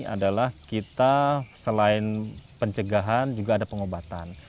adalah kita selain pencegahan juga ada pengobatan